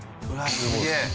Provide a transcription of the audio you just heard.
すげえ。